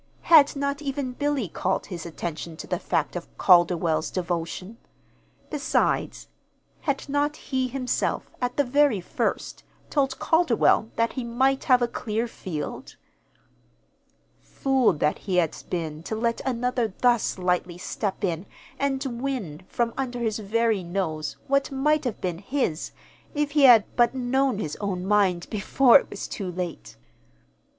Had not even Billy called his attention to the fact of Calderwell's devotion? Besides, had not he himself, at the very first, told Calderwell that he might have a clear field? Fool that he had been to let another thus lightly step in and win from under his very nose what might have been his if he had but known his own mind before it was too late!